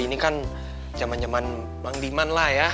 ini kan zaman zaman bang diman lah ya